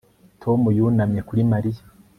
Tom yunamye kuri Mariya